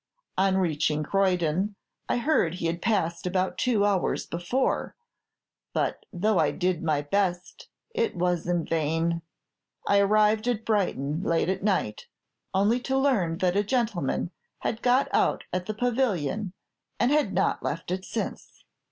On reaching Croydon, I heard he had passed about two hours before; but though I did my best, it was in vain. I arrived at Brighton late at night, only to learn that a gentleman had got out at the Pavilion, and had not left it since.